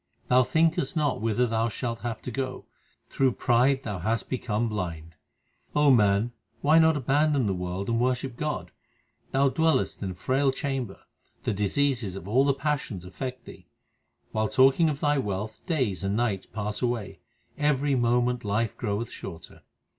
Thou thinkest not whither thou shalt have to go : through pride thou hast become blind. O man, why not abandon the world and worship God ? Thou dwellest in a frail chamber : the diseases of all the passions affect thee. While talking of thy wealth days and nights pass away ; every moment life groweth shorter.